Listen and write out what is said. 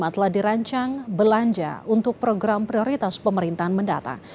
telah dirancang belanja untuk program prioritas pemerintahan mendatang